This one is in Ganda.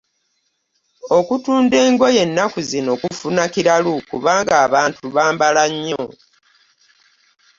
Okutunda engoye ennaku zino kufuna kiralu kubanga abantu bambala nnyo.